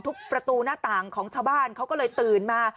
ประตูหน้าต่างของชาวบ้านเขาก็เลยตื่นมา